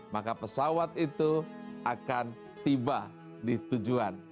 maka pesawat itu akan tiba di tujuan